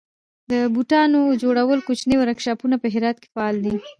د بوټانو جوړولو کوچني ورکشاپونه په هرات کې فعال دي.